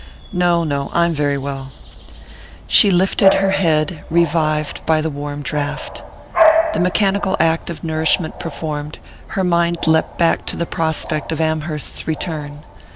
"No, no. I'm very well." She lifted her head, revived by the warm draught. The mechanical act of nourishment performed, her mind leapt back to the prospect of Amherst's return.